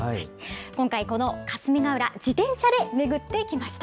今回、この霞ケ浦、自転車で巡ってきました。